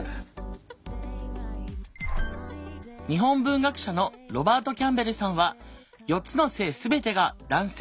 日本文学者のロバートキャンベルさんは４つの性全てが「男性」。